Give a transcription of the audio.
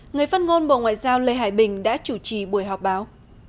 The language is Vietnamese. người phát ngôn bộ ngoại giao lê hải bình đã chủ trì buổi họp báo